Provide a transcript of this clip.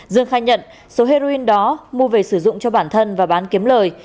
dương khai nhận số heroin đó mua về sử dụng cho bản thân và bán kiếm lời